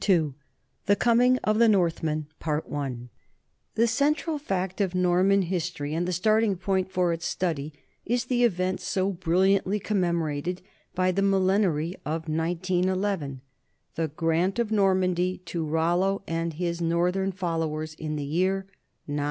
II THE COMING OF THE NORTHMEN THE central fact of Norman history and the starting point for its study is the event so bril liantly commemorated by the millenary of 1911, the grant of Normandy to Rollo and his northern followers in the year 911.